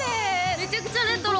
めちゃくちゃレトロ。